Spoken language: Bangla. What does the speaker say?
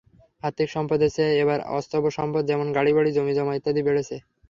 আর্থিক সম্পদের চেয়ে এবার অস্থাবর সম্পদ যেমন, গাড়ি, বাড়ি, জমিজমা ইত্যাদি বেড়েছে।